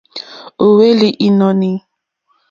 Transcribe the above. Ó hwélì ìnɔ̀ní.